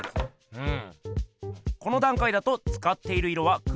うん？